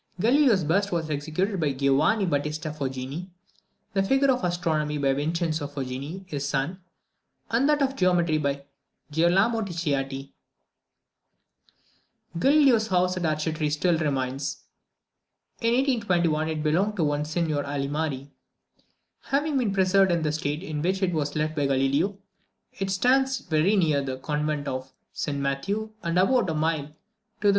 Galileo's bust was executed by Giovanni Battista Foggini; the figure of Astronomy by Vincenzio Foggini, his son; and that of Geometry by Girolamo Ticciati. Galileo's house at Arcetri still remains. In 1821 it belonged to one Signor Alimari, having been preserved in the state in which it was left by Galileo; it stands very near the convent of St Matthew, and about a mile to the S.